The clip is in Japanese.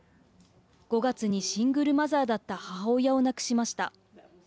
５月にシングルマザーだった母親を亡くしました。